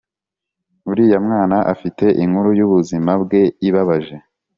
Uriya mwana afite inkuru yubuzima bwe ibabaje